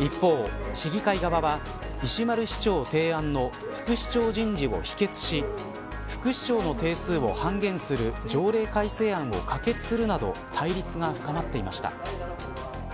一方、市議会側は石丸市長提案の副市長人事を否決し副市長の定数を半減する条例改正案を可決するなど対立が深まっていました。